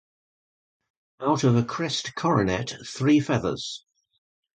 Out of a crest coronet, three feathers.